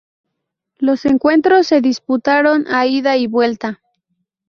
Los encuentros se disputaron a ida y vuelta.